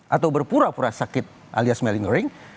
atau berpura pura sakit alias melingering